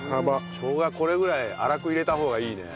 しょうがこれぐらい粗く入れた方がいいね。